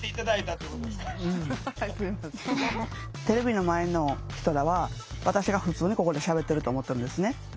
テレビの前の人らは私が普通にここでしゃべってると思ってるんですね。